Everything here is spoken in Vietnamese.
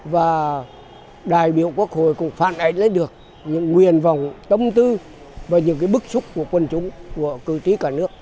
và đại biểu quốc hội cũng phản ánh lên được những nguyện vọng tâm tư và những bức xúc của quân chúng của cử tri cả nước